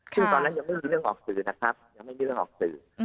ซึ่งตอนนั้นยังไม่มีเรื่องออกสื่อนะครับยังไม่มีเรื่องออกสื่อ